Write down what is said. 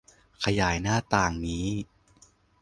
ขยายหน้าต่างนี้